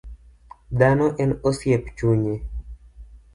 Dhano en osiep chunye.